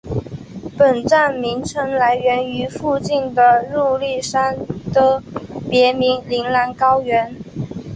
本站名称来源于附近的入笠山的别名铃兰高原。